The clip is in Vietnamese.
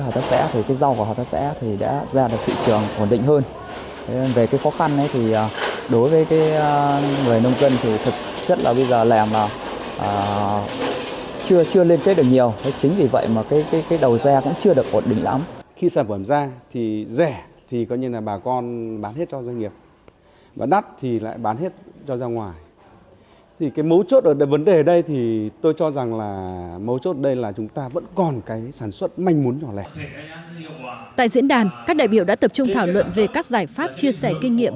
tại diễn đàn các đại biểu đã tập trung thảo luận về các giải pháp chia sẻ kinh nghiệm